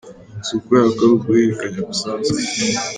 Si ukubera ko ari uguhererekanya gusanzwe.